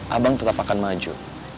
abang tetap akan maju